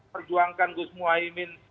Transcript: perjuangkan gus muwaimin